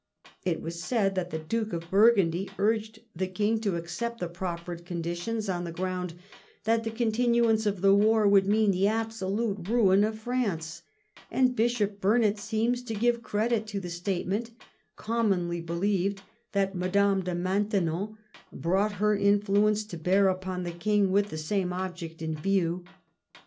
It was said that the Duke of Burgundy urged the King to accept the prof fered conditions on the ground that the continuance of the war would mean the absolute ruin of France, and Bishop Burnet seems to give credit to the state ment commonly belieyed that Madame de Maintenon brought her influence to bear upon the King with the same object in view.